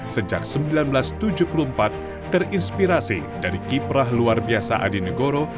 sejak seribu sembilan ratus tujuh puluh empat terinspirasi dari kiprah luar biasa adi negoro